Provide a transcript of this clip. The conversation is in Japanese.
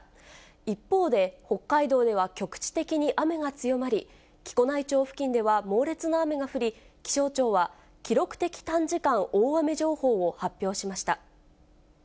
一方で、北海道では局地的に雨が強まり、木古内町付近では、猛烈な雨が降り、気象庁は記録的短時間大雨情報を発表しました。